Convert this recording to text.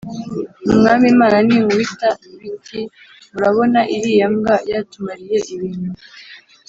umwami, imana n'inkuba biti:” murabona iriya mbwa yatumariye ibintu!